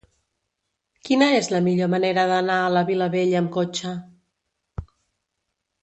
Quina és la millor manera d'anar a la Vilavella amb cotxe?